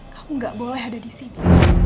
kamu gak boleh ada disini